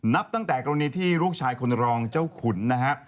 นับตั้งแต่กรณีที่ลูกชายคนรองเจ้าขุนนะฮะ